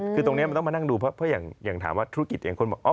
คือตรงนี้มันต้องมานั่งดูเพราะอย่างถามว่าธุรกิจอย่างคนบอก